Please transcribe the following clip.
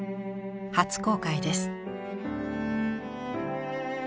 初公開です。